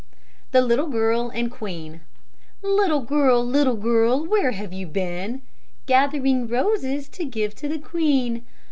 LITTLE GIRL AND QUEEN "Little girl, little girl, where have you been?" "Gathering roses to give to the Queen."